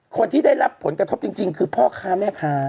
คนที่ได้รับผลกระทบจริงคือพ่อค้าแม่ค้า